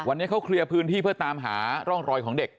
วันนี้เขาเคลียร์พื้นที่เพื่อตามหาร่องรอยของเด็ก